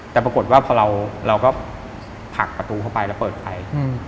แต่ปรากฏว่าพอเราก็ผลักประตูเข้าไปแล้วเปิดไฟ